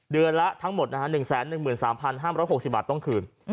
เดือนละทั้งหมด๑๑๓๕๖๐บาทต้องคืน